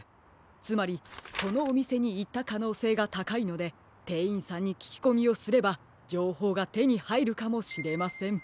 つまりこのおみせにいったかのうせいがたかいのでてんいんさんにききこみをすればじょうほうがてにはいるかもしれません。